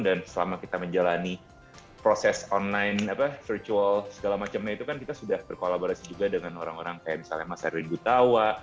dan selama kita menjalani proses online apa virtual segala macemnya itu kan kita sudah berkolaborasi juga dengan orang orang kayak misalnya mas erwin gutawa